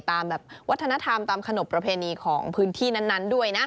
ตามแบบวัฒนธรรมตามขนบประเพณีของพื้นที่นั้นด้วยนะ